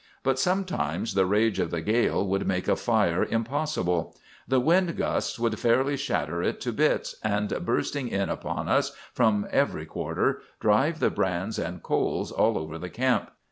But sometimes the rage of the gale would make a fire impossible. The wind gusts would fairly shatter it to bits, and, bursting in upon us from every quarter, drive the brands and coals all over the camp.